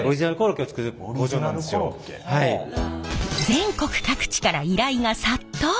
全国各地から依頼が殺到！